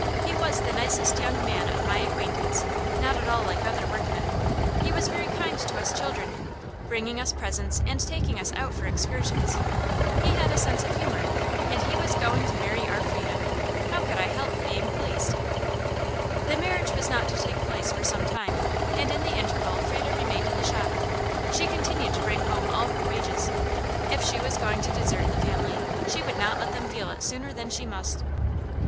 He was the nicest young man of my acquaintance, not at all like other workmen. He was very kind to us children, bringing us presents and taking us out for excursions. He had a sense of humor, and he was going to marry our Frieda. How could I help being pleased? The marriage was not to take place for some time, and in the interval Frieda remained in the shop. She continued to bring home all her wages. If she was going to desert the family, she would not let them feel it sooner than she must.